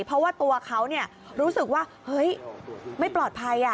เพราะว่าตัวเขารู้สึกว่าเฮ้ยไม่ปลอดภัย